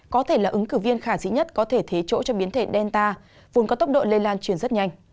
có thể là ứng cử viên khả dĩ nhất có thể thế chỗ cho biến thể delta vốn có tốc độ lây lan chuyển rất nhanh